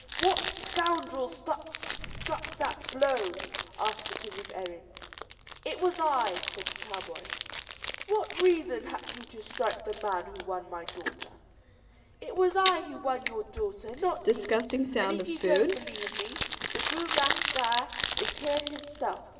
"What scoundrel struck that blow?" asked the king of Erin. "It was I," said the cowboy. "What reason had you to strike the man who won my daughter?" "It was I who won your daughter, not he; and if you don't believe me, the Gruagach Gaire is here himself.